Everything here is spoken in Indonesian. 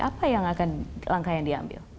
apa yang akan langkah yang diambil